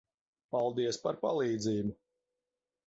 Paldies par palīdzību.